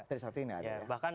tersaktif nggak ada ya